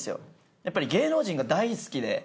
やっぱり芸能人が大好きで。